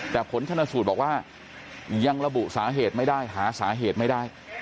แต่ผลชนสูตรบอกว่ายังระบุสาเหตุไม่ได้หาสาเหตุไม่ได้